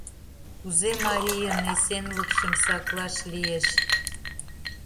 Кузе марийын эсенлыкшым саклаш лиеш?